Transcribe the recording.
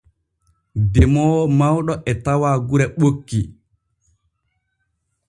Demoowo mawɗo e tawa gure ɓokki.